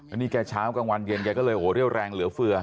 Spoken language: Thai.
อันนี้แกเช้ากลางวันเย็นแกก็เลยโอ้โหเรี่ยวแรงเหลือเฟือ